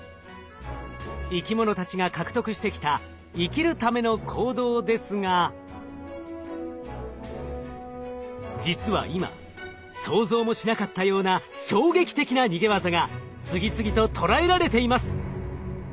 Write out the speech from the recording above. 生き物たちが獲得してきた生きるための行動ですが実は今想像もしなかったような衝撃的な逃げ技が次々と捉えられています。